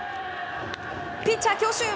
ピッチャー強襲！